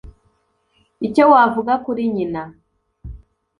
icyo wavuga kuri nyina